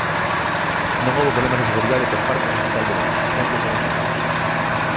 Non houbo problemas de seguridade cos partos no Hospital de Verín, sempre foron seguros.